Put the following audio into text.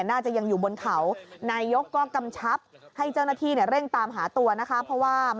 อาจจะอยู่บนเขาหรือเปล่านะครับ